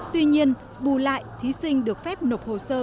tuy nhiên bù lại thí sinh được phép nộp hồ sơ